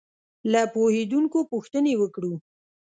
له پوهېدونکو پوښتنې وکړو.